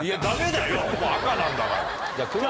赤なんだから！